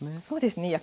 そうですね